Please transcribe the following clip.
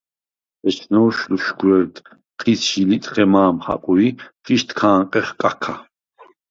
ეჩნოვშ ლუშგვერდ ჴიცს ჟი ლიტხე მა̄მ ხაკუ ი შიშდ ქ’ა̄ნყეხ კაქა.